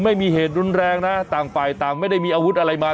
ไม่มีเหตุรุนแรงนะต่างฝ่ายต่างไม่ได้มีอาวุธอะไรมา